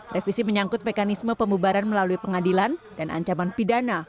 revisi menyangkut mekanisme pembubaran melalui pengadilan dan ancaman pidana